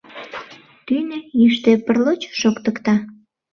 Тӱнӧ йӱштӧ прлоч! шоктыкта.